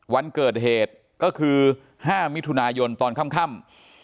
วันเกิดเหตุก็คือ๕มิถุนายนตอนค่ำ